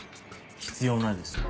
必要ないです。